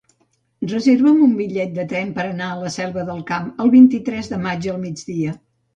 Reserva'm un bitllet de tren per anar a la Selva del Camp el vint-i-tres de maig al migdia.